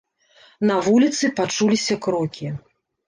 На вуліцы пачуліся крокі.